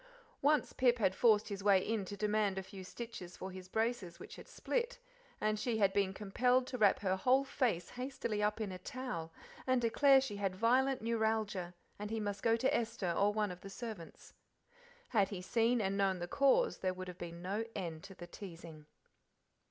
Once Pip had forced his way into demand a few stitches for his braces which had split, and she had been compelled to wrap her whole face hastily up in a towel and declare she had violent neuralgia, and he must go to Esther or one of the servants. Had he seen and known the cause there would have been no end to the teasing.